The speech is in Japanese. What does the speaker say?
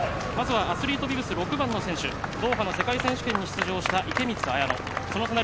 まずはアスリートビブス６番の選手ドーハの世界選手権に出場した池満綾乃。